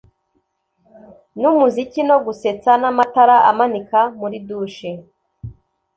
numuziki no gusetsa n'amatara amanika muri douche